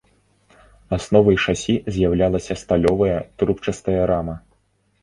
Асновай шасі з'яўлялася сталёвая трубчастая рама.